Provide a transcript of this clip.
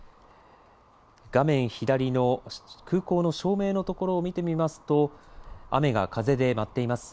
画面左の空港の照明のところを見てみますと雨が風で舞っています。